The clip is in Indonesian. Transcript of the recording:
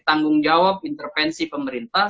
tanggung jawab intervensi pemerintah